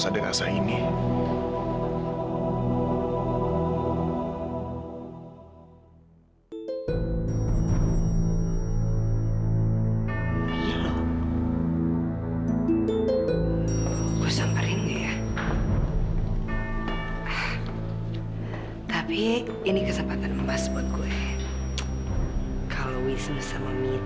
dan ini kan jam makan siang